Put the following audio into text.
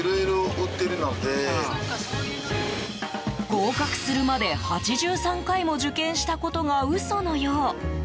合格するまで、８３回も受験したことが嘘のよう。